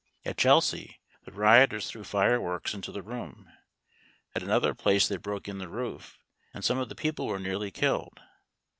At Chelsea, the rioters threw fireworks into the room; at another place they broke in the roof, and some of the people were nearly killed.